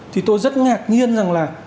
thì tôi rất ngạc nhiên rằng là